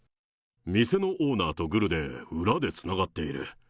店のオーナーとグルで裏でつながっている。